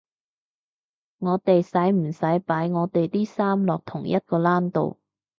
我哋使唔使擺我地啲衫落同一個籃度？